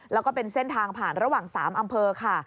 แล้วก็เป็นเส้นทางผ่านระหว่าง๓อำเภอค่ะ